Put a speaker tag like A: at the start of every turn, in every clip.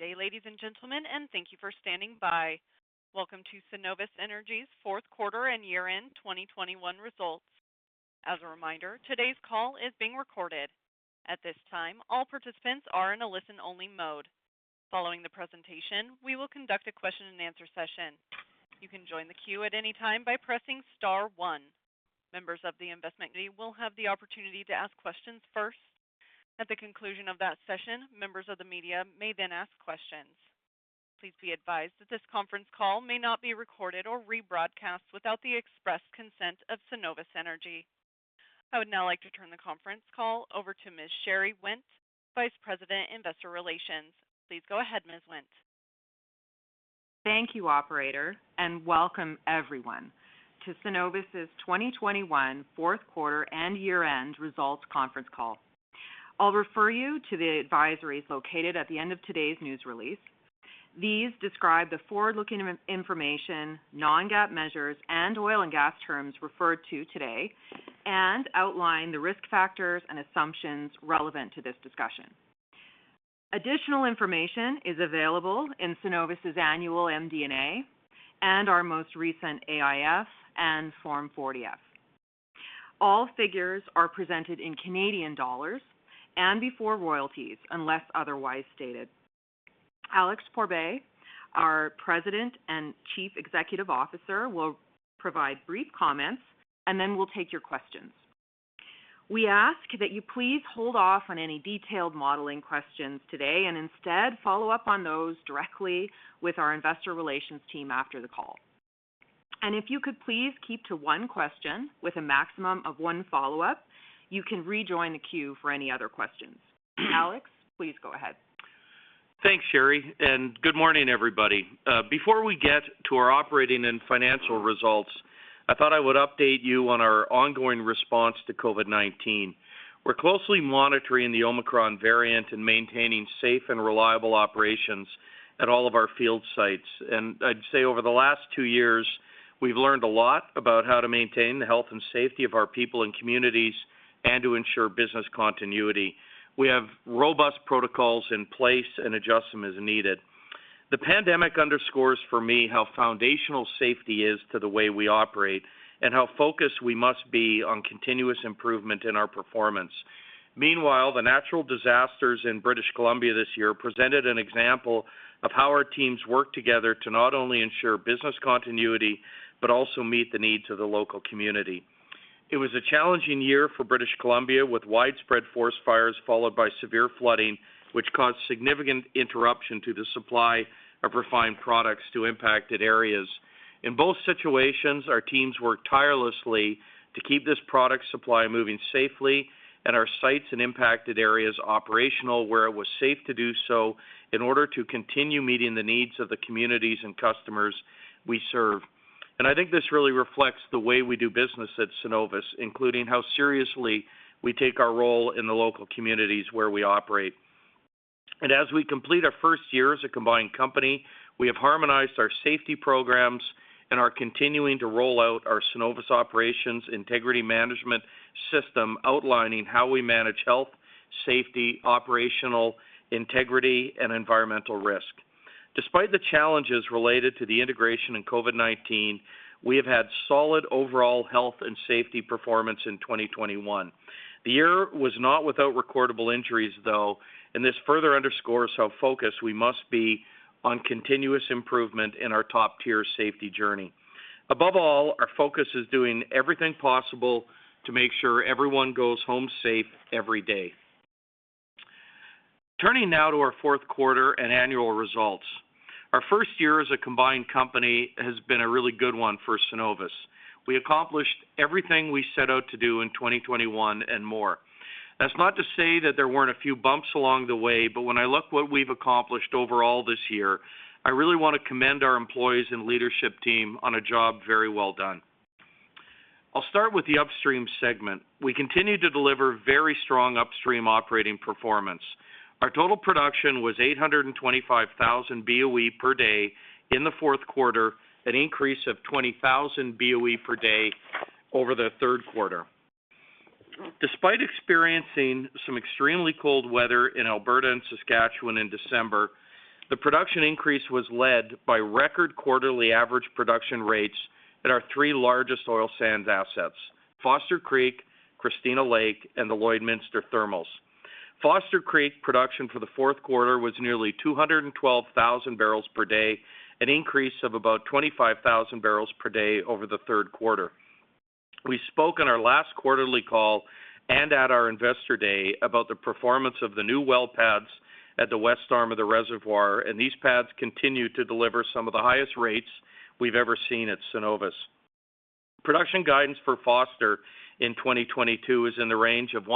A: Good day, ladies and gentlemen, and thank you for standing by. Welcome to Cenovus Energy's Fourth Quarter and Year-End 2021 Results. As a reminder, today's call is being recorded. At this time, all participants are in a listen-only mode. Following the presentation, we will conduct a question-and-answer session. You can join the queue at any time by pressing star one. Members of the investment community will have the opportunity to ask questions first. At the conclusion of that session, members of the media may then ask questions. Please be advised that this conference call may not be recorded or rebroadcast without the express consent of Cenovus Energy. I would now like to turn the conference call over to Ms. Sherry Wendt, Vice President, Investor Relations. Please go ahead, Ms. Wendt.
B: Thank you, operator, and welcome everyone to Cenovus's 2021 Fourth Quarter and Year-End Results Conference Call. I'll refer you to the advisories located at the end of today's news release. These describe the forward-looking information, non-GAAP measures and oil and gas terms referred to today, and outline the risk factors and assumptions relevant to this discussion. Additional information is available in Cenovus's annual MD&A and our most recent AIF and Form 40-F. All figures are presented in Canadian dollars and before royalties, unless otherwise stated. Alex Pourbaix, our President and Chief Executive Officer, will provide brief comments, and then we'll take your questions. We ask that you please hold off on any detailed modeling questions today and instead follow up on those directly with our investor relations team after the call. If you could please keep to one question with a maximum of one follow-up, you can rejoin the queue for any other questions. Alex, please go ahead.
C: Thanks, Sherry, and good morning, everybody. Before we get to our operating and financial results, I thought I would update you on our ongoing response to COVID-19. We're closely monitoring the Omicron variant and maintaining safe and reliable operations at all of our field sites. I'd say over the last two years, we've learned a lot about how to maintain the health and safety of our people and communities and to ensure business continuity. We have robust protocols in place and adjust them as needed. The pandemic underscores for me how foundational safety is to the way we operate and how focused we must be on continuous improvement in our performance. Meanwhile, the natural disasters in British Columbia this year presented an example of how our teams work together to not only ensure business continuity, but also meet the needs of the local community. It was a challenging year for British Columbia, with widespread forest fires followed by severe flooding, which caused significant interruption to the supply of refined products to impacted areas. In both situations, our teams worked tirelessly to keep this product supply moving safely and our sites in impacted areas operational, where it was safe to do so, in order to continue meeting the needs of the communities and customers we serve. I think this really reflects the way we do business at Cenovus, including how seriously we take our role in the local communities where we operate. As we complete our first year as a combined company, we have harmonized our safety programs and are continuing to roll out our Cenovus Operations Integrity Management System, outlining how we manage health, safety, operational, integrity, and environmental risk. Despite the challenges related to the integration and COVID-19, we have had solid overall health and safety performance in 2021. The year was not without recordable injuries, though, and this further underscores how focused we must be on continuous improvement in our top-tier safety journey. Above all, our focus is doing everything possible to make sure everyone goes home safe every day. Turning now to our fourth quarter and annual results. Our first year as a combined company has been a really good one for Cenovus. We accomplished everything we set out to do in 2021 and more. That's not to say that there weren't a few bumps along the way, but when I look what we've accomplished overall this year, I really wanna commend our employees and leadership team on a job very well done. I'll start with the upstream segment. We continued to deliver very strong upstream operating performance. Our total production was 825,000 BOE per day in the fourth quarter, an increase of 20,000 BOE per day over the third quarter. Despite experiencing some extremely cold weather in Alberta and Saskatchewan in December, the production increase was led by record quarterly average production rates at our three largest oil sands assets, Foster Creek, Christina Lake, and the Lloydminster Thermals. Foster Creek production for the fourth quarter was nearly 212,000 barrels per day, an increase of about 25,000 barrels per day over the third quarter. We spoke on our last quarterly call and at our Investor Day about the performance of the new well pads at the west arm of the reservoir, and these pads continued to deliver some of the highest rates we've ever seen at Cenovus. Production guidance for Foster in 2022 is in the range of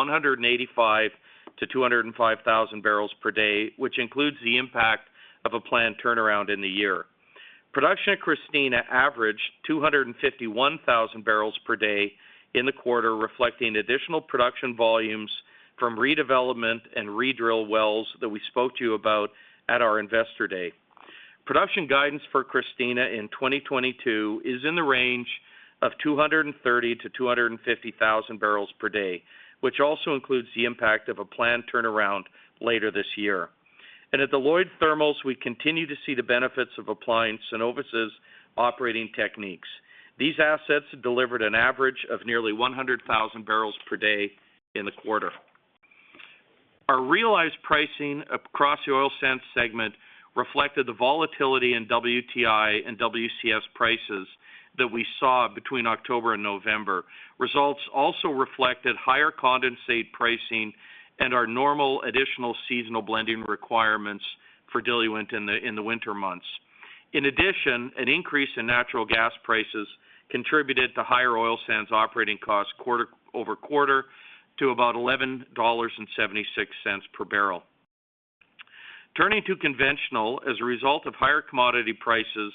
C: 185,000-205,000 barrels per day, which includes the impact of a planned turnaround in the year. Production at Christina averaged 251,000 barrels per day in the quarter, reflecting additional production volumes from redevelopment and re-drill wells that we spoke to you about at our Investor Day. Production guidance for Christina in 2022 is in the range of 230,000-250,000 barrels per day, which also includes the impact of a planned turnaround later this year. At the Lloyd Thermals, we continue to see the benefits of applying Cenovus' operating techniques. These assets delivered an average of nearly 100,000 barrels per day in the quarter. Our realized pricing across the Oil Sands segment reflected the volatility in WTI and WCS prices that we saw between October and November. Results also reflected higher condensate pricing and our normal additional seasonal blending requirements for diluent in the winter months. In addition, an increase in natural gas prices contributed to higher Oil Sands operating costs quarter-over-quarter to about 11.76 dollars per barrel. Turning to Conventional, as a result of higher commodity prices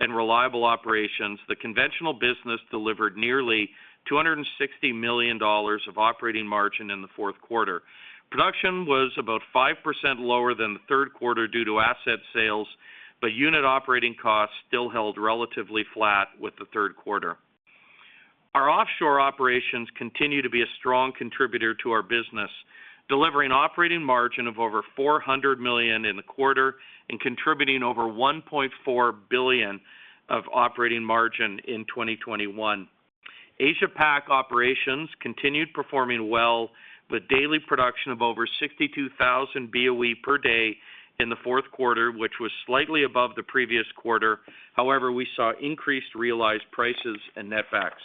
C: and reliable operations, the Conventional business delivered nearly 260 million dollars of operating margin in the fourth quarter. Production was about 5% lower than the third quarter due to asset sales, but unit operating costs still held relatively flat with the third quarter. Our offshore operations continue to be a strong contributor to our business, delivering operating margin of over 400 million in the quarter and contributing over 1.4 billion of operating margin in 2021. Asia-Pac operations continued performing well with daily production of over 62,000 BOE per day in the fourth quarter, which was slightly above the previous quarter. However, we saw increased realized prices and netbacks.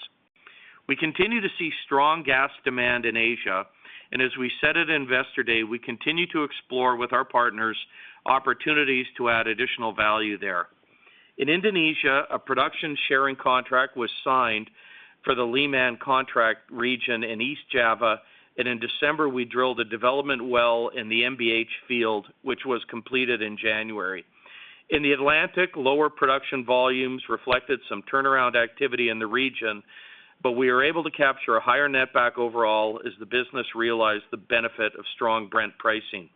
C: We continue to see strong gas demand in Asia, and as we said at Investor Day, we continue to explore with our partners opportunities to add additional value there. In Indonesia, a production sharing contract was signed for the Limau region in East Java, and in December, we drilled a development well in the MBH field, which was completed in January. In the Atlantic, lower production volumes reflected some turnaround activity in the region, but we were able to capture a higher netback overall as the business realized the benefit of strong Brent pricing.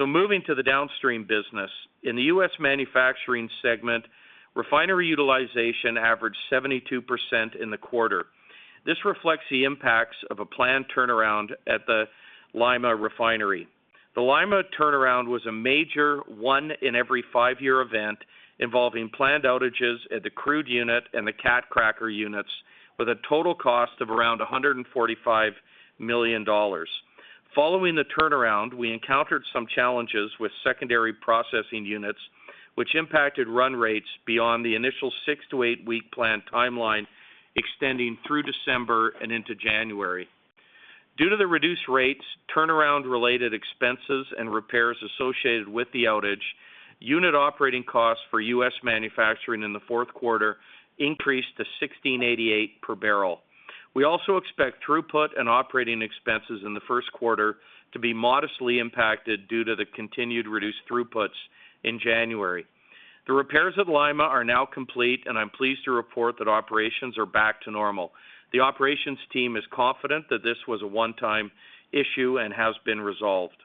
C: Moving to the downstream business. In the U.S. manufacturing segment, refinery utilization averaged 72% in the quarter. This reflects the impacts of a planned turnaround at the Lima Refinery. The Lima turnaround was a major one in every five-year event involving planned outages at the crude unit and the cat cracker units with a total cost of around $145 million. Following the turnaround, we encountered some challenges with secondary processing units, which impacted run rates beyond the initial six to eight-week plan timeline, extending through December and into January. Due to the reduced rates, turnaround-related expenses and repairs associated with the outage, unit operating costs for U.S. manufacturing in the fourth quarter increased to $16.88 per barrel. We also expect throughput and operating expenses in the first quarter to be modestly impacted due to the continued reduced throughputs in January. The repairs at Lima are now complete, and I'm pleased to report that operations are back to normal. The operations team is confident that this was a one-time issue and has been resolved.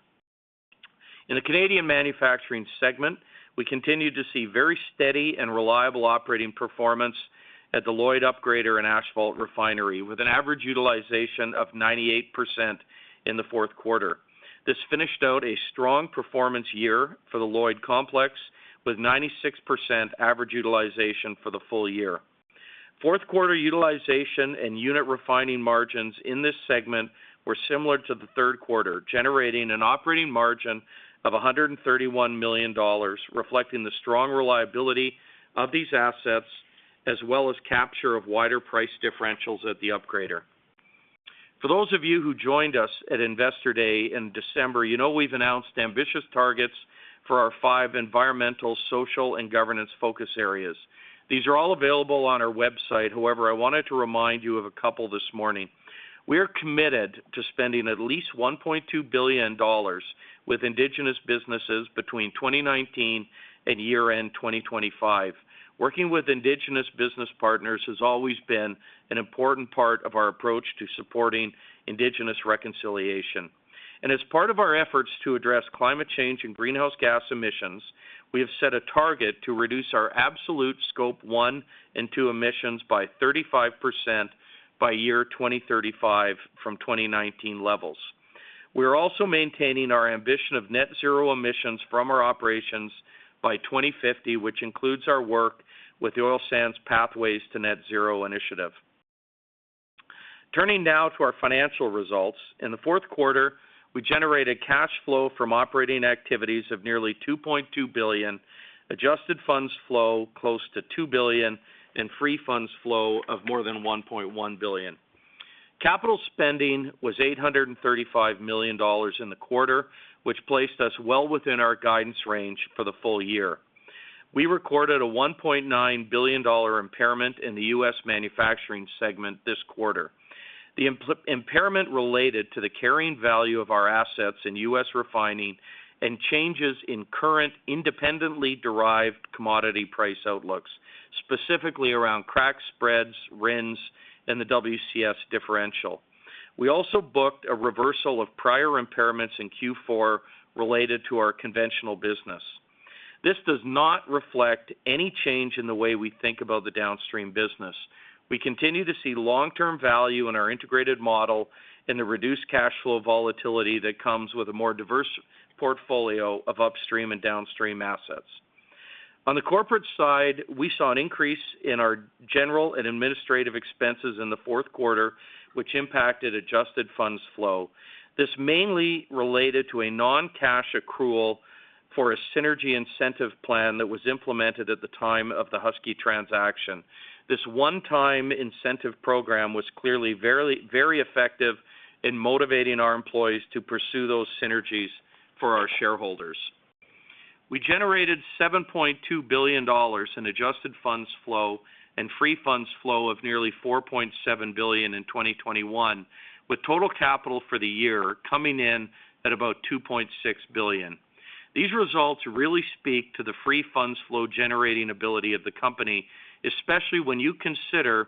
C: In the Canadian manufacturing segment, we continue to see very steady and reliable operating performance at the Lloyd Upgrader and Asphalt Refinery, with an average utilization of 98% in the fourth quarter. This finished out a strong performance year for the Lloyd complex with 96% average utilization for the full year. Fourth quarter utilization and unit refining margins in this segment were similar to the third quarter, generating an operating margin of 131 million dollars, reflecting the strong reliability of these assets as well as capture of wider price differentials at the upgrader. For those of you who joined us at Investor Day in December, you know we've announced ambitious targets for our five environmental, social, and governance focus areas. These are all available on our website. However, I wanted to remind you of a couple this morning. We are committed to spending at least 1.2 billion dollars with Indigenous businesses between 2019 and year-end 2025. Working with Indigenous business partners has always been an important part of our approach to supporting Indigenous reconciliation. As part of our efforts to address climate change and greenhouse gas emissions, we have set a target to reduce our absolute Scope 1 and 2 emissions by 35% by 2035 from 2019 levels. We are also maintaining our ambition of net zero emissions from our operations by 2050, which includes our work with the Oil Sands Pathways to Net Zero initiative. Turning now to our financial results. In the fourth quarter, we generated cash flow from operating activities of nearly 2.2 billion, adjusted funds flow close to 2 billion, and free funds flow of more than 1.1 billion. Capital spending was 835 million dollars in the quarter, which placed us well within our guidance range for the full year. We recorded a 1.9 billion dollar impairment in the U.S. manufacturing segment this quarter. The impairment related to the carrying value of our assets in U.S. refining and changes in current independently derived commodity price outlooks. Specifically around crack spreads, RINs, and the WCS differential. We also booked a reversal of prior impairments in Q4 related to our conventional business. This does not reflect any change in the way we think about the downstream business. We continue to see long-term value in our integrated model and the reduced cash flow volatility that comes with a more diverse portfolio of upstream and downstream assets. On the corporate side, we saw an increase in our general and administrative expenses in the fourth quarter, which impacted adjusted funds flow. This mainly related to a non-cash accrual for a synergy incentive plan that was implemented at the time of the Husky transaction. This one-time incentive program was clearly very, very effective in motivating our employees to pursue those synergies for our shareholders. We generated 7.2 billion dollars in adjusted funds flow and free funds flow of nearly 4.7 billion in 2021, with total capital for the year coming in at about 2.6 billion. These results really speak to the free funds flow generating ability of the company, especially when you consider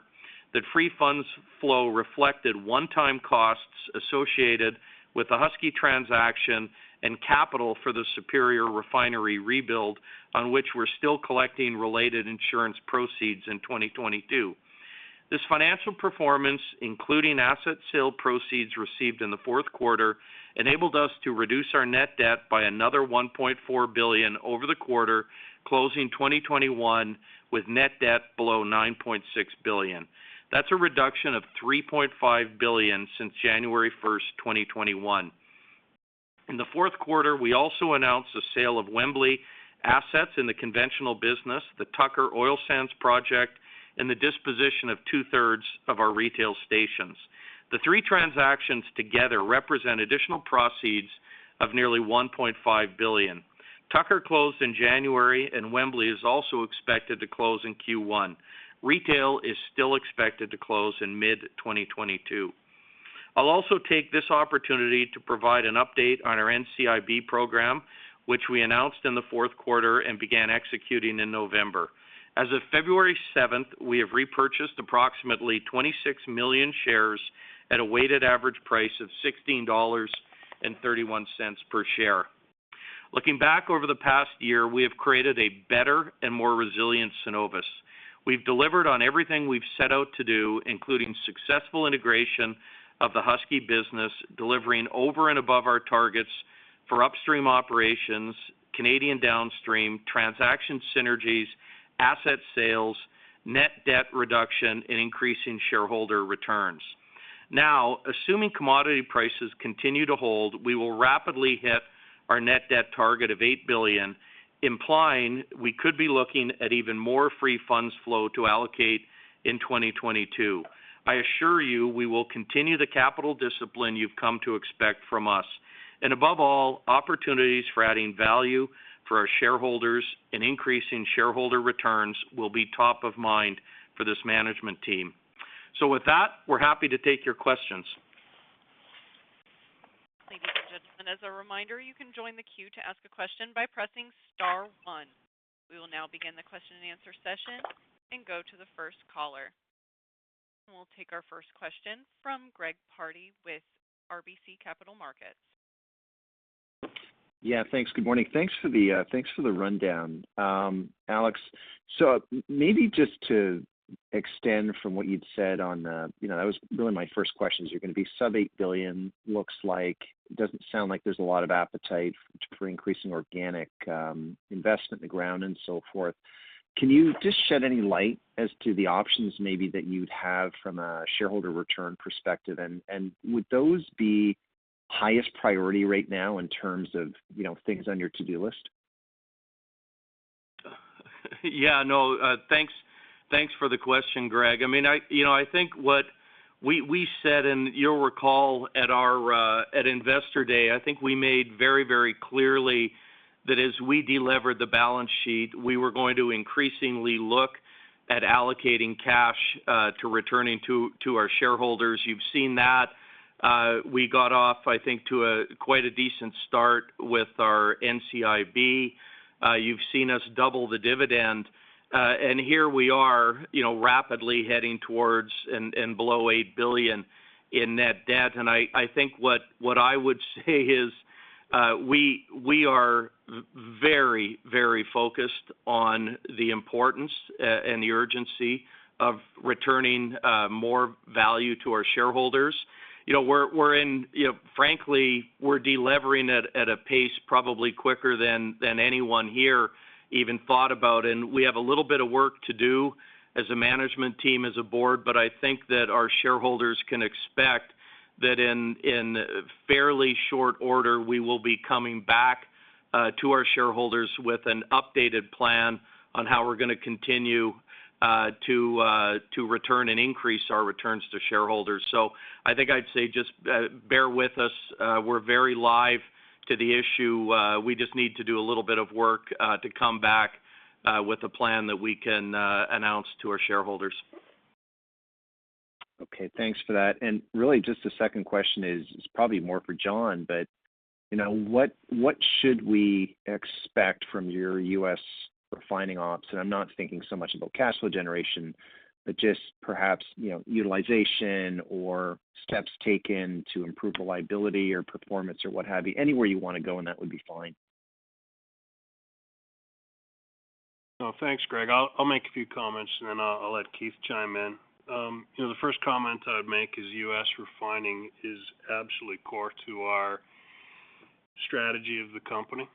C: that free funds flow reflected one-time costs associated with the Husky transaction and capital for the Superior Refinery rebuild on which we're still collecting related insurance proceeds in 2022. This financial performance, including asset sale proceeds received in the fourth quarter, enabled us to reduce our net debt by another 1.4 billion over the quarter, closing 2021 with net debt below 9.6 billion. That's a reduction of 3.5 billion since January 1, 2021. In the fourth quarter, we also announced the sale of Wembley assets in the conventional business, the Tucker Oil Sands project, and the disposition of two-thirds of our retail stations. The three transactions together represent additional proceeds of nearly 1.5 billion. Tucker closed in January, and Wembley is also expected to close in Q1. Retail is still expected to close in mid-2022. I'll also take this opportunity to provide an update on our NCIB program, which we announced in the fourth quarter and began executing in November. As of February 7, we have repurchased approximately 26 million shares at a weighted average price of 16.31 dollars per share. Looking back over the past year, we have created a better and more resilient Cenovus. We've delivered on everything we've set out to do, including successful integration of the Husky business, delivering over and above our targets for upstream operations, Canadian downstream, transaction synergies, asset sales, net debt reduction, and increasing shareholder returns. Now, assuming commodity prices continue to hold, we will rapidly hit our net debt target of 8 billion, implying we could be looking at even more free funds flow to allocate in 2022. I assure you, we will continue the capital discipline you've come to expect from us. And above all, opportunities for adding value for our shareholders and increasing shareholder returns will be top of mind for this management team. With that, we're happy to take your questions.
A: Ladies and gentlemen, as a reminder, you can join the queue to ask a question by pressing star one. We will now begin the question-and-answer session and go to the first caller. We'll take our first question from Greg Pardy with RBC Capital Markets.
D: Thanks. Good morning. Thanks for the rundown. Alex, so maybe just to extend from what you'd said on, you know, that was really my first question is you're gonna be sub-CAD 8 billion, looks like. It doesn't sound like there's a lot of appetite for increasing organic investment in the ground and so forth. Can you just shed any light as to the options maybe that you'd have from a shareholder return perspective? Would those be highest priority right now in terms of, you know, things on your to-do list?
C: Yeah, no, thanks for the question, Greg. I mean, you know, I think what we said, and you'll recall at our Investor Day, I think we made very, very clearly that as we delevered the balance sheet, we were going to increasingly look at allocating cash to returning to our shareholders. You've seen that. We got off, I think, to a quite a decent start with our NCIB. You've seen us double the dividend. Here we are, you know, rapidly heading towards and below 8 billion in net debt. I think what I would say is, we are very, very focused on the importance and the urgency of returning more value to our shareholders. You know, we're in, you know, frankly, we're delevering at a pace probably quicker than anyone here even thought about. We have a little bit of work to do as a management team, as a board, but I think that our shareholders can expect that in fairly short order, we will be coming back to our shareholders with an updated plan on how we're gonna continue to return and increase our returns to shareholders. I think I'd say just bear with us. We're very alive to the issue. We just need to do a little bit of work to come back with a plan that we can announce to our shareholders.
D: Okay, thanks for that. Really, just the second question is probably more for Jon, but, you know, what should we expect from your U.S. refining ops? I'm not thinking so much about cash flow generation, but just perhaps, you know, utilization or steps taken to improve reliability or performance or what have you. Anywhere you wanna go in that would be fine.
E: No. Thanks, Greg. I'll make a few comments and then I'll let Keith chime in. You know, the first comment I would make is US refining is absolutely core to our strategy of the company.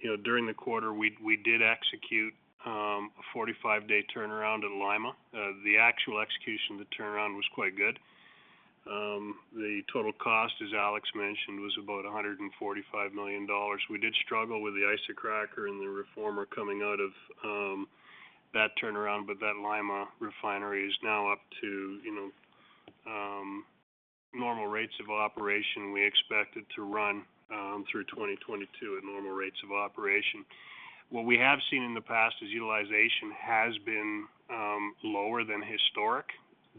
E: You know, during the quarter, we did execute a 45-day turnaround at Lima. The actual execution of the turnaround was quite good. The total cost, as Alex mentioned, was about $145 million. We did struggle with the Isocracker and the reformer coming out of that turnaround, but that Lima refinery is now up to, you know, normal rates of operation. We expect it to run through 2022 at normal rates of operation. What we have seen in the past is utilization has been lower than historic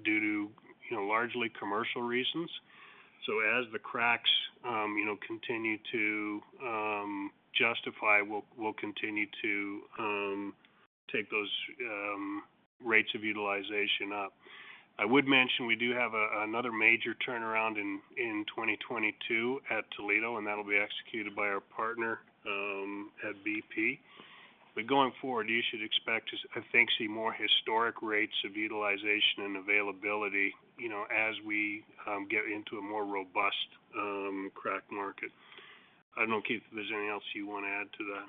E: due to, you know, largely commercial reasons. As the cracks continue to justify, we'll continue to take those rates of utilization up. I would mention, we do have another major turnaround in 2022 at Toledo, and that'll be executed by our partner at BP. Going forward, you should expect to, I think, see more historic rates of utilization and availability as we get into a more robust crack market. I don't know, Keith, if there's anything else you wanna add to that.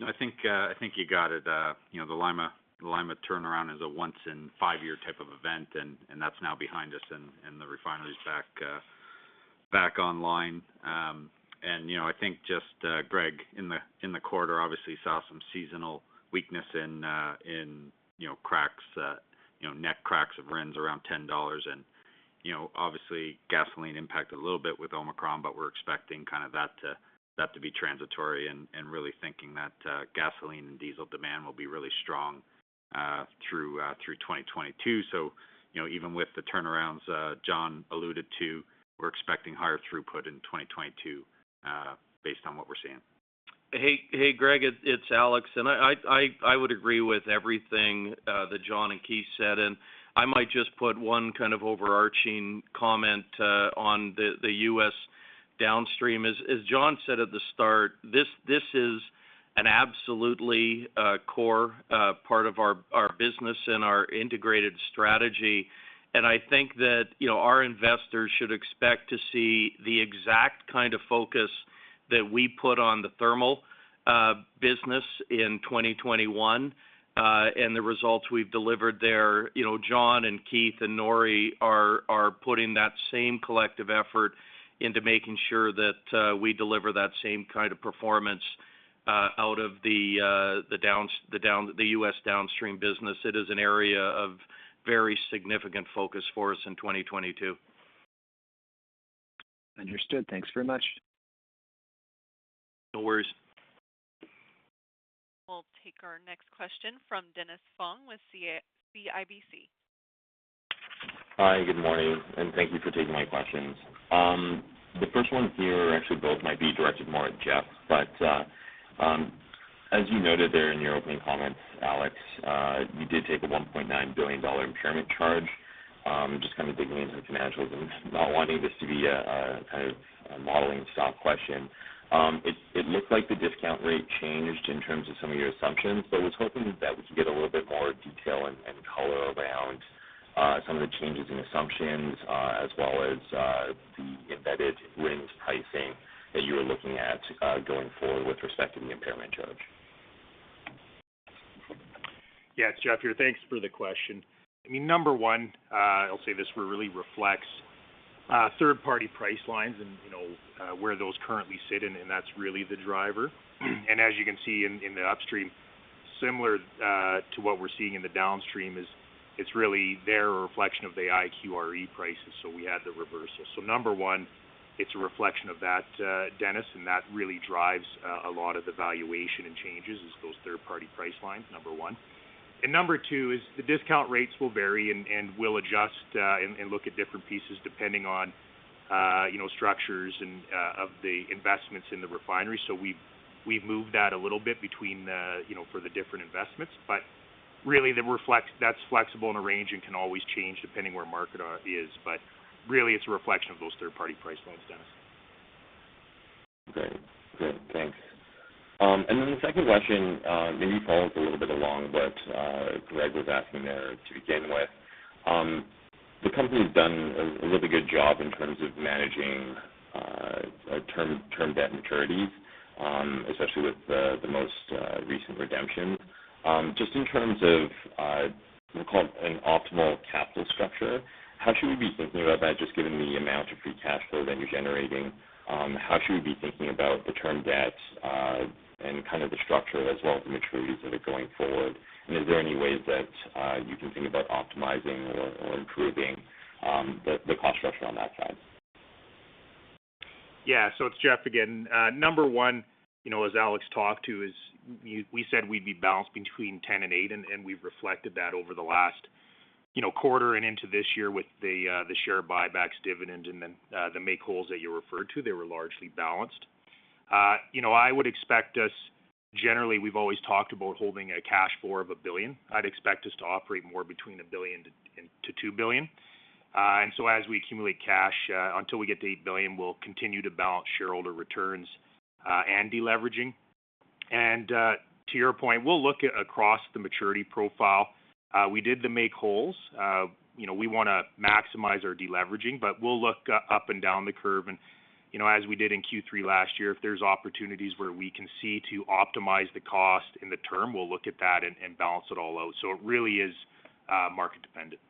F: No, I think you got it. You know, the Limau turnaround is a once in five-year type of event and that's now behind us and the refinery's back online. You know, I think just, Greg, in the quarter, obviously saw some seasonal weakness in cracks, you know, net cracks of RINs around $10. You know, obviously gasoline impacted a little bit with Omicron, but we're expecting kind of that to be transitory and really thinking that gasoline and diesel demand will be really strong through 2022. You know, even with the turnarounds Jon alluded to, we're expecting higher throughput in 2022 based on what we're seeing.
C: Hey, Greg, it's Alex. I would agree with everything that Jon and Keith said. I might just put one kind of overarching comment on the U.S. downstream. As Jon said at the start, this is an absolutely core part of our business and our integrated strategy. I think that, you know, our investors should expect to see the exact kind of focus that we put on the thermal business in 2021 and the results we've delivered there. You know, Jon and Keith and Nori are putting that same collective effort into making sure that we deliver that same kind of performance out of the U.S. downstream business. It is an area of very significant focus for us in 2022.
D: Understood. Thanks very much.
C: No worries.
A: We'll take our next question from Dennis Fong with CIBC.
G: Hi, good morning, and thank you for taking my questions. The first one here, actually both might be directed more at Jeff. As you noted there in your opening comments, Alex, you did take a 1.9 billion dollar impairment charge. Just kind of digging into the financials and not wanting this to be a kind of a modeling stock question. It looks like the discount rate changed in terms of some of your assumptions, but was hoping that we could get a little bit more detail and color around some of the changes in assumptions as well as the embedded RINs pricing that you are looking at going forward with respect to the impairment charge.
H: Yeah, it's Jeff here. Thanks for the question. I mean, number one, I'll say this really reflects third-party price lines and, you know, where those currently sit, and that's really the driver. As you can see in the upstream, similar to what we're seeing in the downstream is it's really their reflection of the IQRE prices, so we had the reversal. Number one, it's a reflection of that, Dennis, and that really drives a lot of the valuation and changes is those third-party price lines, number one. Number two is the discount rates will vary and will adjust and look at different pieces depending on, you know, structures and of the investments in the refinery. We've moved that a little bit between the, you know, for the different investments, but really that's flexible in a range and can always change depending where the market is. Really it's a reflection of those third-party price lines, Dennis.
G: Great. Thanks. The second question maybe follows a little bit along what Greg was asking there to begin with. The company's done a really good job in terms of managing term debt maturities, especially with the most recent redemption. Just in terms of what's called an optimal capital structure, how should we be thinking about that? Just given the amount of free cash flow that you're generating, how should we be thinking about the term debts and kind of the structure as well as the maturities that are going forward? Is there any ways that you can think about optimizing or improving the cost structure on that side?
H: Yeah. It's Jeff again. Number one, you know, as Alex talked to us, we said we'd be balanced between 10 billion and 8 billion, and we've reflected that over the last, you know, quarter and into this year with the share buybacks, dividend, and then the make-wholes that you referred to. They were largely balanced. You know, I would expect us, generally, we've always talked about holding a cash floor of 1 billion. I'd expect us to operate more between 1 billion-2 billion. As we accumulate cash until we get to 8 billion, we'll continue to balance shareholder returns and deleveraging. To your point, we'll look across the maturity profile. We did the make-wholes. You know, we wanna maximize our deleveraging, but we'll look up and down the curve and, you know, as we did in Q3 last year, if there's opportunities where we can see to optimize the cost in the term, we'll look at that and balance it all out. It really is market dependent.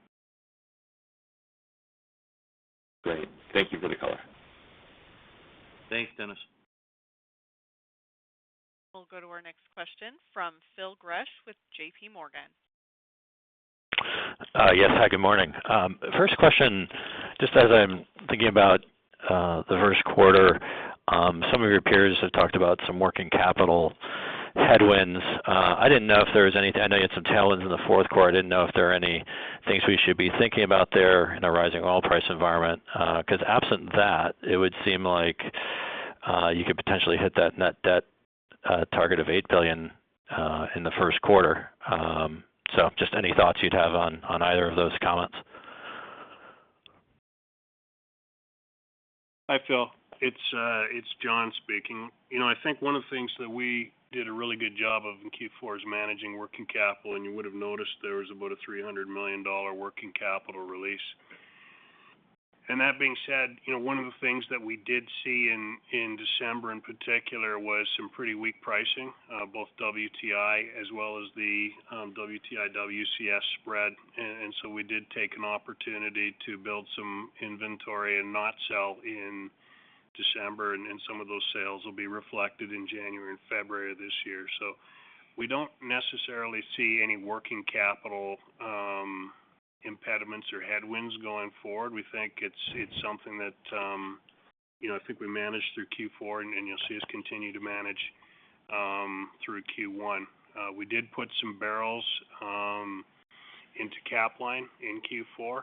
G: Great. Thank you for the color.
E: Thanks, Dennis.
A: We'll go to our next question from Phil Gresh with JPMorgan.
I: Yes. Hi, good morning. First question, just as I'm thinking about the first quarter, some of your peers have talked about some working capital headwinds. I didn't know if there was any. I know you had some tailwinds in the fourth quarter. I didn't know if there are any things we should be thinking about there in a rising oil price environment. 'Cause absent that, it would seem like you could potentially hit that net debt target of 8 billion in the first quarter. So just any thoughts you'd have on either of those comments.
E: Hi, Phil. It's Jon speaking. You know, I think one of the things that we did a really good job of in Q4 is managing working capital, and you would have noticed there was about 300 million dollar working capital release. That being said, you know, one of the things that we did see in December, in particular, was some pretty weak pricing, both WTI as well as the WTI-WCS spread. We did take an opportunity to build some inventory and not sell in December, and some of those sales will be reflected in January and February of this year. We don't necessarily see any working capital impediments or headwinds going forward. We think it's something that, you know, I think we managed through Q4, and you'll see us continue to manage through Q1. We did put some barrels into Capline in Q4,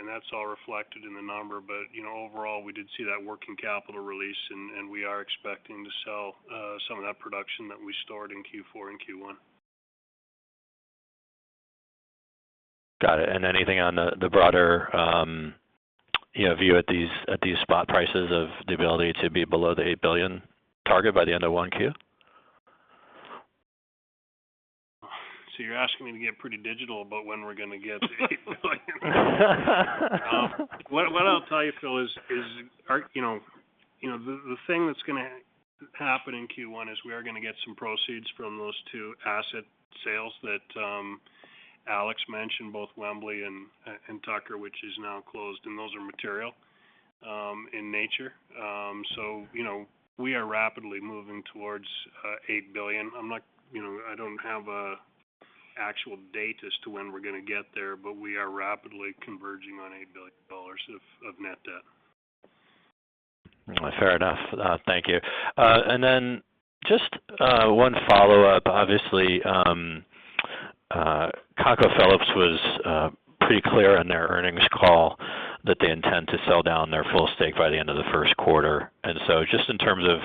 E: and that's all reflected in the number. You know, overall, we did see that working capital release, and we are expecting to sell some of that production that we stored in Q4 in Q1.
I: Got it. Anything on the broader, you know, view at these spot prices of the ability to be below the 8 billion target by the end of 1Q?
E: You're asking me to get pretty specific about when we're gonna get to 8 billion. What I'll tell you, Phil, is our you know the thing that's gonna happen in Q1 is we are gonna get some proceeds from those two asset sales that Alex mentioned, both Wembley and Tucker, which is now closed, and those are material in nature. You know, we are rapidly moving towards 8 billion. You know, I don't have an actual date as to when we're gonna get there, but we are rapidly converging on 8 billion dollars of net debt.
I: Fair enough. Thank you. Just one follow-up. Obviously, ConocoPhillips was pretty clear on their earnings call that they intend to sell down their full stake by the end of the first quarter. Just in terms of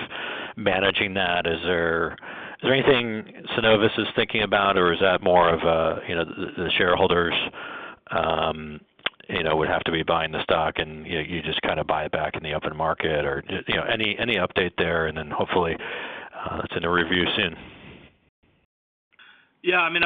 I: managing that, is there anything Cenovus is thinking about, or is that more of a, you know, the shareholders, you know, would have to be buying the stock, and you just kinda buy it back in the open market? You know, any update there, and then hopefully it's in a review soon.
C: Yeah. I mean,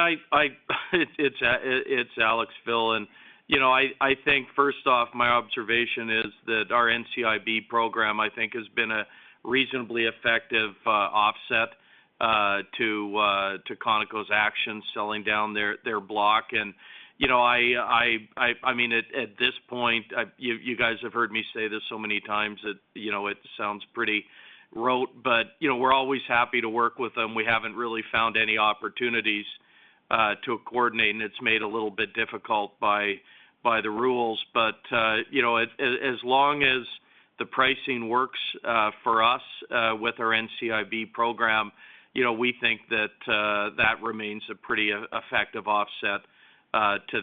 C: it's Alex, Phil. You know, I think first off, my observation is that our NCIB program I think has been a reasonably effective offset to Conoco's actions, selling down their block. You know, I mean, at this point, you guys have heard me say this so many times that you know it sounds pretty rote, but you know we're always happy to work with them. We haven't really found any opportunities to coordinate, and it's made a little bit difficult by the rules. You know, as long as the pricing works for us with our NCIB program, you know we think that that remains a pretty effective offset to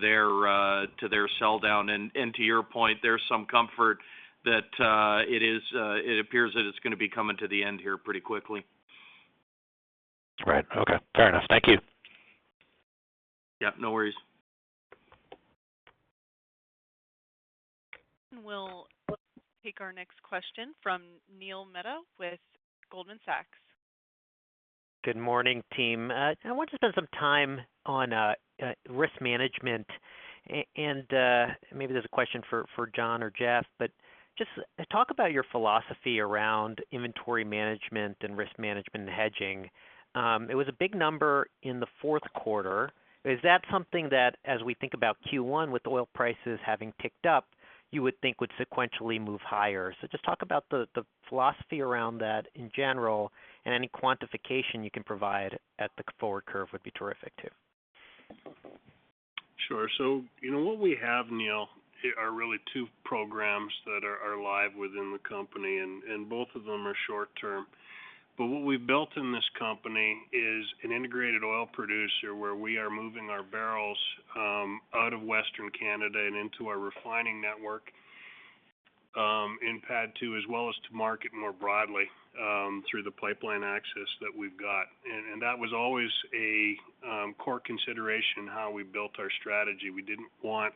C: their sell down. To your point, there's some comfort that it appears that it's gonna be coming to the end here pretty quickly.
I: Right. Okay. Fair enough. Thank you.
C: Yeah, no worries.
A: We'll take our next question from Neil Mehta with Goldman Sachs.
J: Good morning, team. I want to spend some time on risk management. Maybe there's a question for Jon or Jeff, but just talk about your philosophy around inventory management and risk management and hedging. It was a big number in the fourth quarter. Is that something that, as we think about Q1 with oil prices having picked up, you would think would sequentially move higher? Just talk about the philosophy around that in general, and any quantification you can provide at the forward curve would be terrific, too.
E: Sure. You know, what we have, Neil, are really two programs that are live within the company and both of them are short-term. What we've built in this company is an integrated oil producer where we are moving our barrels out of Western Canada and into our refining network in PADD 2 as well as to market more broadly through the pipeline access that we've got. That was always a core consideration, how we built our strategy. We didn't want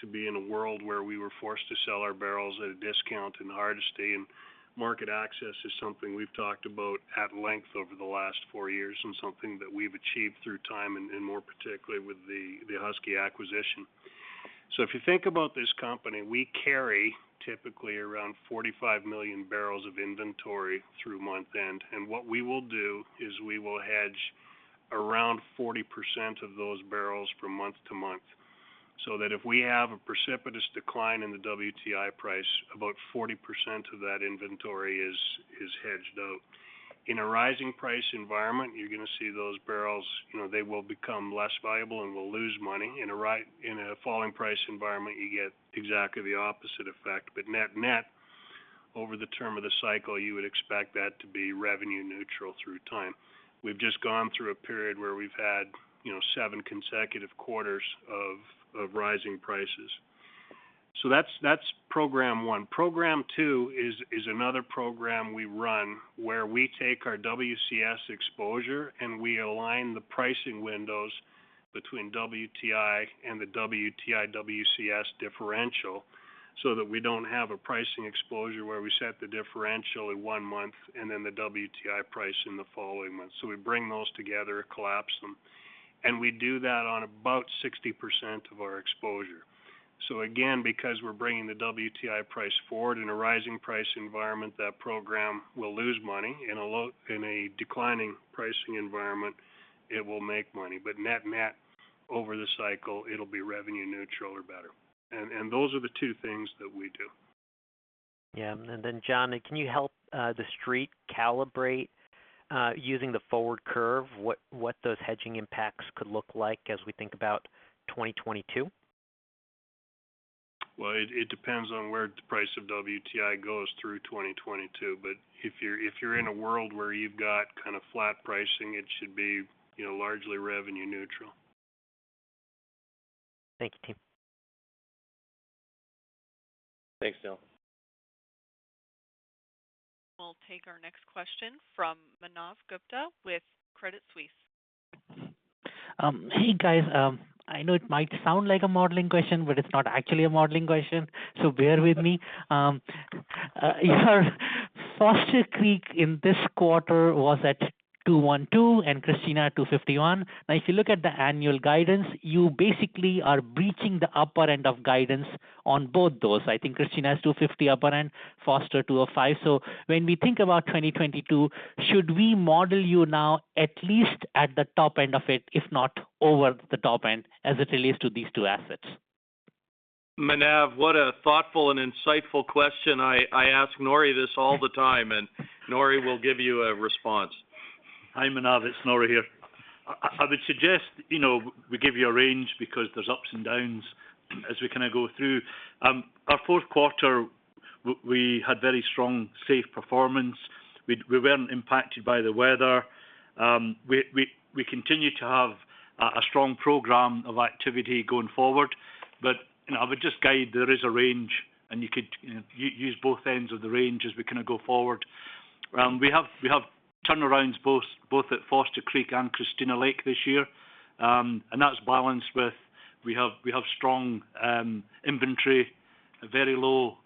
E: to be in a world where we were forced to sell our barrels at a discount and hard to stay. Market access is something we've talked about at length over the last four years and something that we've achieved through time and more particularly with the Husky acquisition. If you think about this company, we carry typically around 45 million barrels of inventory through month end. What we will do is we will hedge around 40% of those barrels from month to month, so that if we have a precipitous decline in the WTI price, about 40% of that inventory is hedged out. In a rising price environment, you're gonna see those barrels, you know, they will become less valuable and will lose money. In a falling price environment, you get exactly the opposite effect. Net-net, over the term of the cycle, you would expect that to be revenue neutral through time. We've just gone through a period where we've had, you know, seven consecutive quarters of rising prices. That's program one. Program two is another program we run where we take our WCS exposure and we align the pricing windows between WTI and the WTI-WCS differential so that we don't have a pricing exposure where we set the differential at one month and then the WTI price in the following month. We bring those together, collapse them, and we do that on about 60% of our exposure. Again, because we're bringing the WTI price forward, in a rising price environment, that program will lose money. In a declining pricing environment, it will make money. Net-net over the cycle, it'll be revenue neutral or better. Those are the two things that we do.
J: Jon, can you help The Street calibrate using the forward curve what those hedging impacts could look like as we think about 2022?
E: Well, it depends on where the price of WTI goes through 2022. If you're in a world where you've got kind of flat pricing, it should be, you know, largely revenue neutral.
J: Thanks, team.
C: Thanks, Neil.
A: We'll take our next question from Manav Gupta with Credit Suisse.
K: Hey, guys. I know it might sound like a modeling question, but it's not actually a modeling question, so bear with me. Your Foster Creek in this quarter was at 212 and Christina at 251. Now, if you look at the annual guidance, you basically are breaching the upper end of guidance on both those. I think Christina is 250 upper end, Foster 205. When we think about 2022, should we model you now at least at the top end of it, if not over the top end, as it relates to these two assets?
C: Manav, what a thoughtful and insightful question. I ask Norrie this all the time, and Norrie will give you a response.
L: Hi, Manav. It's Norrie here. I would suggest, you know, we give you a range because there's ups and downs as we kinda go through. Our fourth quarter, we had very strong, safe performance. We weren't impacted by the weather. We continue to have a strong program of activity going forward. I would just guide there is a range, and you could, you know, use both ends of the range as we kinda go forward. We have turnarounds both at Foster Creek and Christina Lake this year. That's balanced with we have strong inventory, very low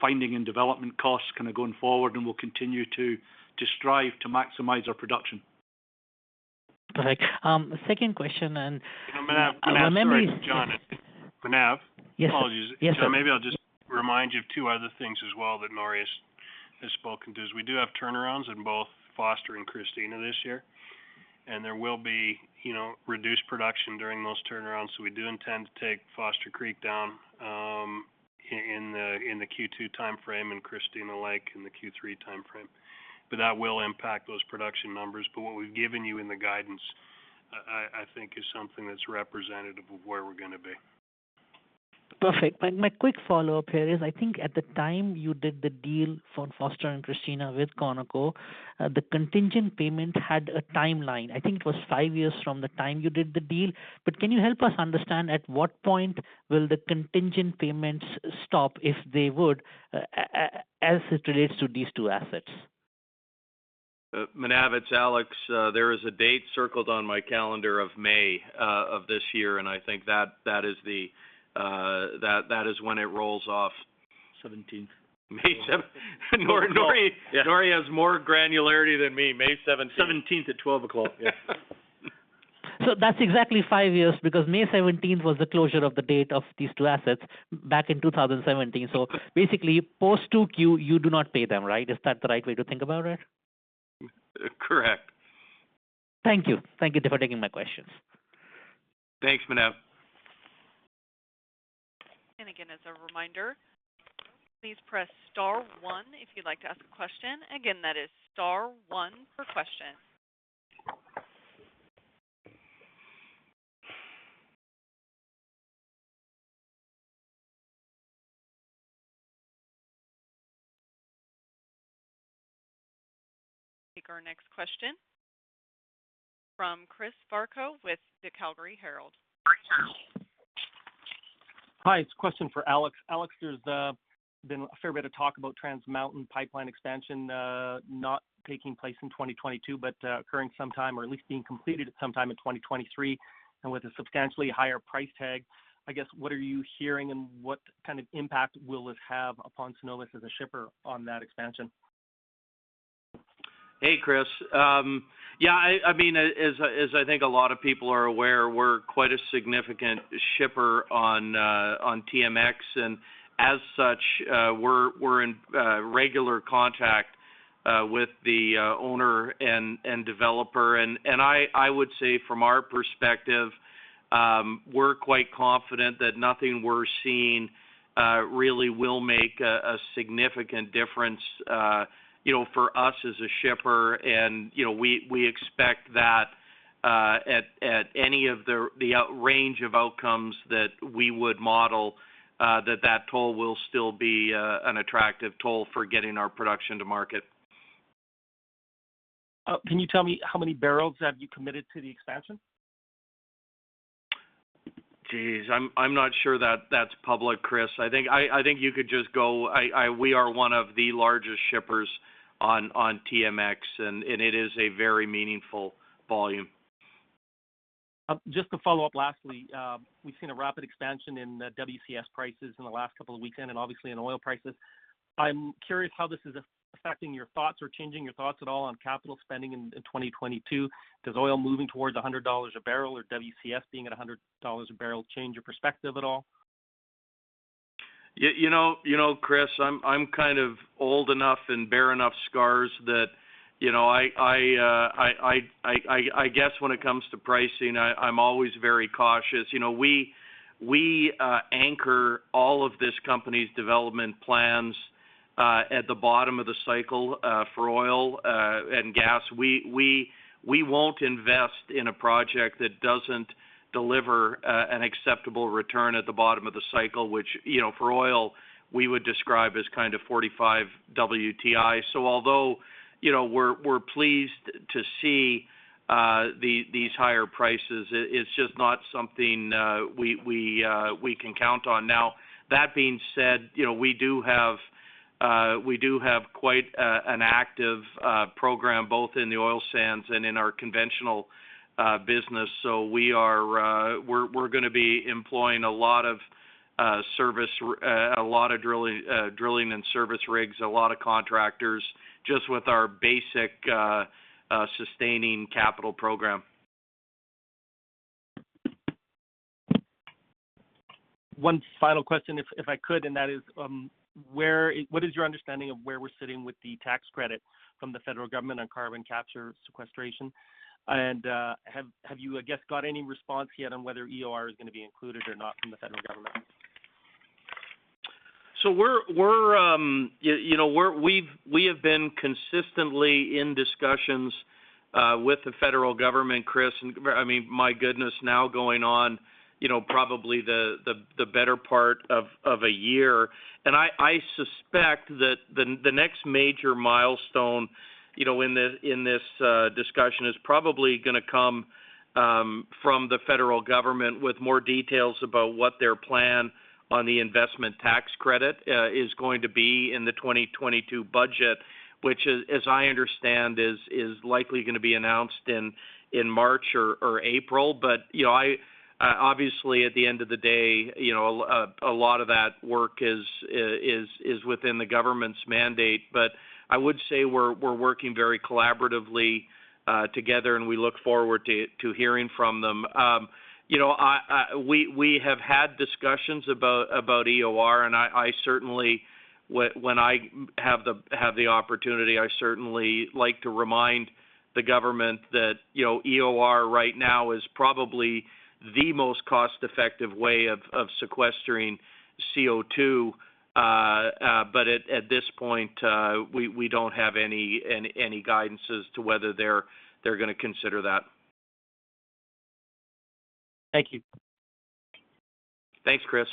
L: finding and development costs kinda going forward, and we'll continue to strive to maximize our production.
K: Perfect. Second question, and my memory is-
E: Manav, sorry, it's Jon. Apologies.
K: Yes, sir.
E: Maybe I'll just remind you of two other things as well that Norrie has spoken to. We do have turnarounds in both Foster and Christina this year, and there will be, you know, reduced production during those turnarounds. We do intend to take Foster Creek down in the Q2 timeframe and Christina Lake in the Q3 timeframe. That will impact those production numbers. What we've given you in the guidance, I think is something that's representative of where we're gonna be.
K: Perfect. My quick follow-up here is, I think at the time you did the deal for Foster Creek and Christina Lake with ConocoPhillips, the contingent payment had a timeline. I think it was five years from the time you did the deal. Can you help us understand at what point will the contingent payments stop, if they would, as it relates to these two assets?
C: Manav, it's Alex. There is a date circled on my calendar of May of this year, and I think that is when it rolls off.
L: 17th.
C: Nori has more granularity than me. May 17th.
L: 17th at 12:00. Yeah.
K: That's exactly five years, because May seventeenth was the closure date of these two assets back in 2017. Basically, post 2Q, you do not pay them, right? Is that the right way to think about it?
C: Correct.
K: Thank you. Thank you there for taking my questions.
C: Thanks, Manav.
A: Again, as a reminder, please press star one if you'd like to ask a question. Again, that is star one for question. Take our next question from Chris Varcoe with the Calgary Herald.
M: Hi, it's a question for Alex. Alex, there's been a fair bit of talk about Trans Mountain pipeline expansion not taking place in 2022, but occurring sometime or at least being completed at some time in 2023, and with a substantially higher price tag. I guess what are you hearing and what kind of impact will it have upon Cenovus as a shipper on that expansion?
C: Hey, Chris. Yeah, I mean, as I think a lot of people are aware, we're quite a significant shipper on TMX. As such, we're in regular contact with the owner and developer. I would say from our perspective, we're quite confident that nothing we're seeing really will make a significant difference, you know, for us as a shipper. You know, we expect that at any of the range of outcomes that we would model, that toll will still be an attractive toll for getting our production to market.
M: Can you tell me how many barrels have you committed to the expansion?
C: Geez, I'm not sure that's public, Chris. I think you could just go. We are one of the largest shippers on TMX, and it is a very meaningful volume.
M: Just to follow up lastly, we've seen a rapid expansion in WCS prices in the last couple of weeks, and then obviously in oil prices. I'm curious how this is affecting your thoughts or changing your thoughts at all on capital spending in 2022. Does oil moving towards $100 a barrel or WCS being at $100 a barrel change your perspective at all?
C: You know, Chris, I'm kind of old enough and bear enough scars that, you know, I guess when it comes to pricing, I'm always very cautious. You know, we anchor all of this company's development plans at the bottom of the cycle for oil and gas. We won't invest in a project that doesn't deliver an acceptable return at the bottom of the cycle, which, you know, for oil, we would describe as kind of 45 WTI. Although, you know, we're pleased to see these higher prices, it's just not something we can count on. Now, that being said, you know, we do have quite an active program both in the oil sands and in our conventional business. We're gonna be employing a lot of service, a lot of drilling and service rigs, a lot of contractors, just with our basic sustaining capital program.
M: One final question, if I could, and that is, what is your understanding of where we're sitting with the tax credit from the federal government on carbon capture sequestration? Have you, I guess, got any response yet on whether EOR is gonna be included or not from the federal government?
C: We have been consistently in discussions with the federal government, Chris. I mean, my goodness, now going on, you know, probably the better part of a year. I suspect that the next major milestone, you know, in this discussion is probably gonna come from the federal government with more details about what their plan on the Investment Tax Credit is going to be in the 2022 budget, which as I understand is likely gonna be announced in March or April. You know, obviously, at the end of the day, you know, a lot of that work is within the government's mandate. I would say we're working very collaboratively together, and we look forward to hearing from them. You know, we have had discussions about EOR, and I certainly, when I have the opportunity, like to remind the government that, you know, EOR right now is probably the most cost-effective way of sequestering CO2. At this point, we don't have any guidance as to whether they're gonna consider that.
M: Thank you.
C: Thanks, Chris.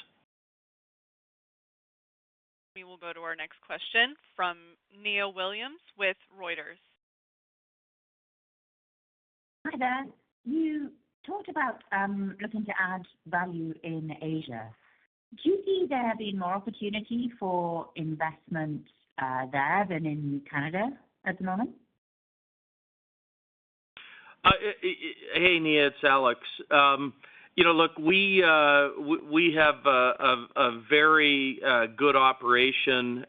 A: We will go to our next question from Nia Williams with Reuters.
N: Hi there. You talked about looking to add value in Asia. Do you see there being more opportunity for investment there than in Canada at the moment?
C: Hey, Nia, it's Alex. You know, look, we have a very good operation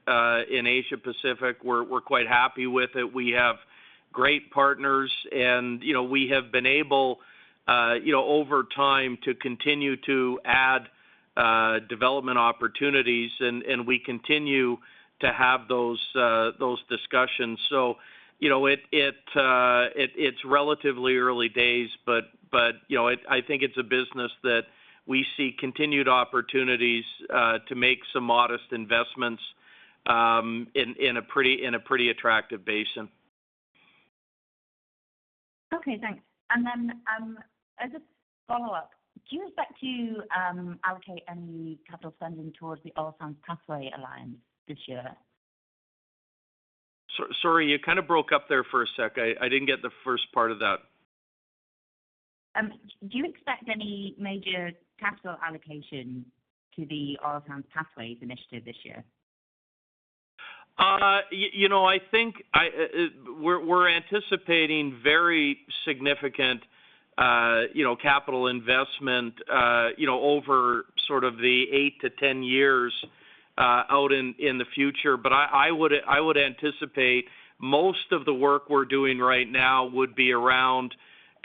C: in Asia Pacific. We're quite happy with it. We have great partners, and you know, we have been able, you know, over time to continue to add development opportunities, and we continue to have those discussions. You know, it's relatively early days, but you know, I think it's a business that we see continued opportunities to make some modest investments in a pretty attractive basin.
N: Okay, thanks. As a follow-up, do you expect to allocate any capital spending towards the Oil Sands Pathways to Net Zero this year?
C: Sorry, you kind of broke up there for a sec. I didn't get the first part of that.
N: Do you expect any major capital allocation to the Oil Sands Pathways initiative this year?
C: You know, I think we're anticipating very significant, you know, capital investment, you know, over sort of the 8-10 years out in the future. I would anticipate most of the work we're doing right now would be around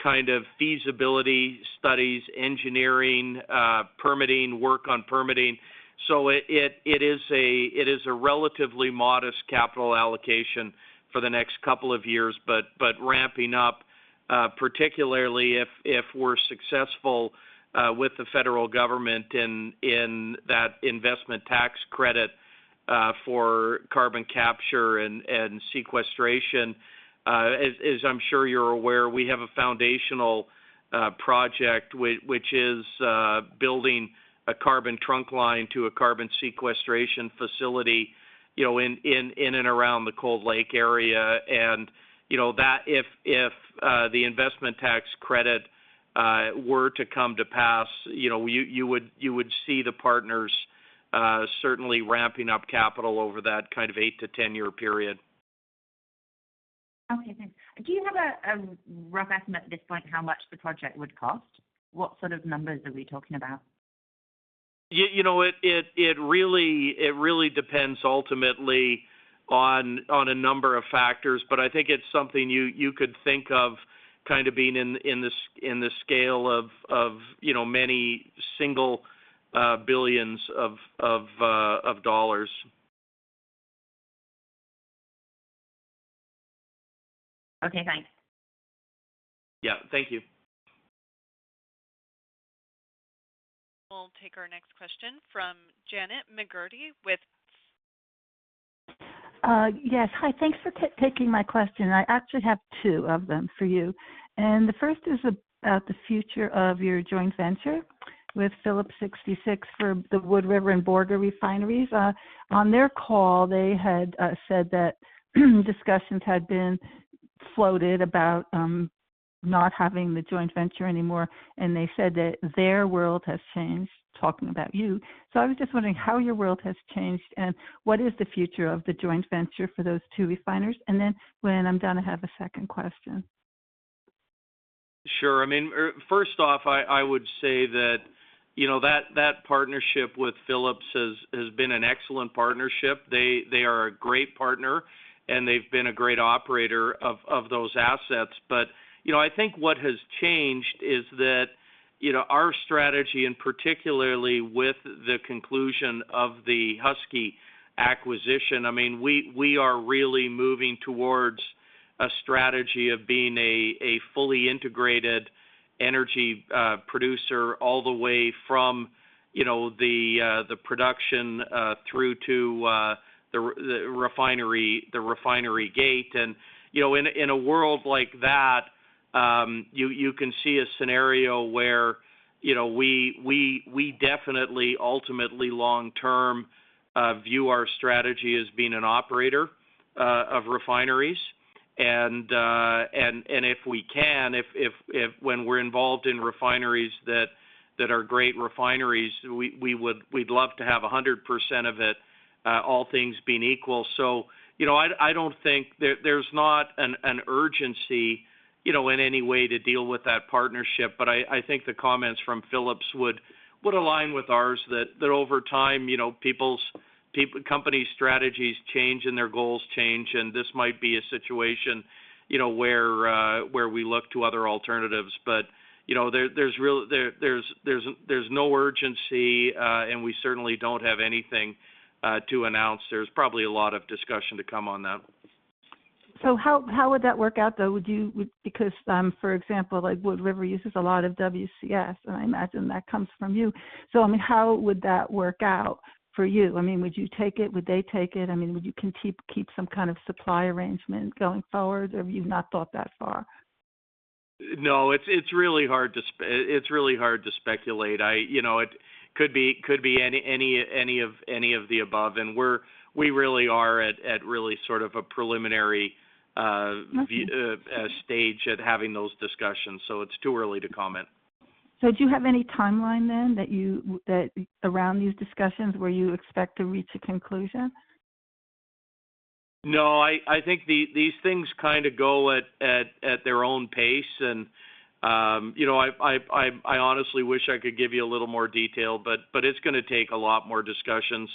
C: kind of feasibility studies, engineering, permitting, work on permitting. It is a relatively modest capital allocation for the next couple of years. Ramping up, particularly if we're successful with the federal government in that Investment Tax Credit for carbon capture and sequestration. As I'm sure you're aware, we have a foundational project which is building a carbon trunk line to a carbon sequestration facility, you know, in and around the Cold Lake area. You know that if the Investment Tax Credit were to come to pass, you know, you would see the partners certainly ramping up capital over that kind of 8-10 year period.
N: Okay, thanks. Do you have a rough estimate at this point how much the project would cost? What sort of numbers are we talking about?
C: You know, it really depends ultimately on a number of factors, but I think it's something you could think of kind of being in the scale of, you know, many single billions of dollars.
N: Okay, thanks.
C: Yeah, thank you.
A: We'll take our next question from Janet McGurty with-
O: Yes. Hi, thanks for taking my question. I actually have two of them for you. The first is about the future of your joint venture with Phillips 66 for the Wood River and Borger refineries. On their call, they had said that discussions had been floated about not having the joint venture anymore, and they said that their world has changed, talking about you. I was just wondering how your world has changed and what is the future of the joint venture for those two refiners? Then when I'm done, I have a second question.
C: Sure. I mean, first off, I would say that, you know, that partnership with Phillips has been an excellent partnership. They are a great partner, and they've been a great operator of those assets. You know, I think what has changed is that, you know, our strategy and particularly with the conclusion of the Husky acquisition, I mean, we are really moving towards a strategy of being a fully integrated energy producer all the way from, you know, the production through to the refinery gate. You know, in a world like that, you can see a scenario where, you know, we definitely ultimately long-term view our strategy as being an operator of refineries. When we're involved in refineries that are great refineries, we would love to have 100% of it, all things being equal. You know, I don't think there's an urgency, you know, in any way to deal with that partnership. I think the comments from Phillips 66 would align with ours that over time, you know, people's company strategies change, and their goals change, and this might be a situation, you know, where we look to other alternatives. You know, there's no urgency, and we certainly don't have anything to announce. There's probably a lot of discussion to come on that.
O: How would that work out though? Would you, because for example, like Wood River uses a lot of WCS, and I imagine that comes from you. I mean, how would that work out for you? I mean, would you take it? Would they take it? I mean, would you can keep some kind of supply arrangement going forward, or have you not thought that far?
C: No, it's really hard to speculate. You know, it could be any of the above. We're really at a really sort of preliminary stage of having those discussions, so it's too early to comment.
O: Do you have any timeline then around these discussions where you expect to reach a conclusion?
C: No, I think these things kind of go at their own pace. You know, I honestly wish I could give you a little more detail, but it's gonna take a lot more discussions,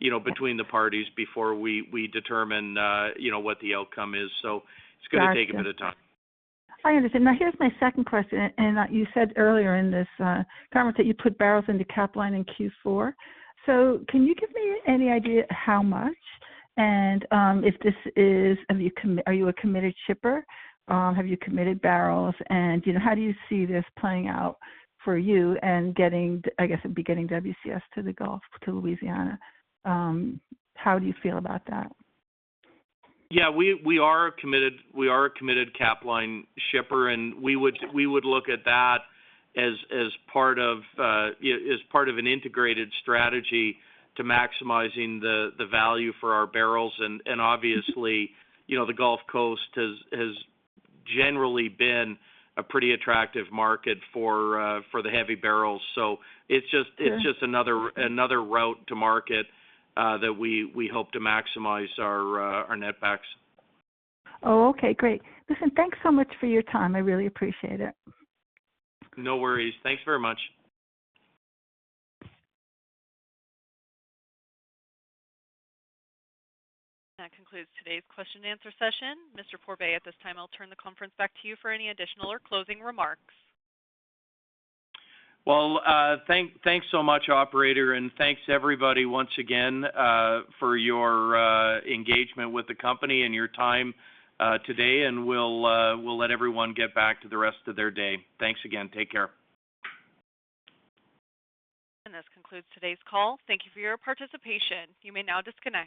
C: you know, between the parties before we determine, you know, what the outcome is. It's gonna take-
O: Gotcha
C: -a bit of time.
O: I understand. Now, here's my second question, and you said earlier in this comment that you put barrels into Capline in Q4. Can you give me any idea how much? Are you a committed shipper? Have you committed barrels? You know, how do you see this playing out for you and getting, I guess it'd be getting WCS to the Gulf, to Louisiana? How do you feel about that?
C: Yeah, we are a committed Capline shipper, and we would look at that as part of, you know, as part of an integrated strategy to maximizing the value for our barrels. And obviously, you know, the Gulf Coast has generally been a pretty attractive market for the heavy barrels. It's just another route to market that we hope to maximize our netbacks.
O: Oh, okay. Great. Listen, thanks so much for your time. I really appreciate it.
C: No worries. Thanks very much.
A: That concludes today's question and answer session. Mr. Pourbaix, at this time, I'll turn the conference back to you for any additional or closing remarks.
C: Well, thanks so much, operator, and thanks everybody once again, for your engagement with the company and your time today, and we'll let everyone get back to the rest of their day. Thanks again. Take care.
A: This concludes today's call. Thank you for your participation. You may now disconnect.